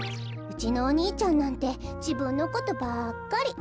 うちのお兄ちゃんなんてじぶんのことばっかり。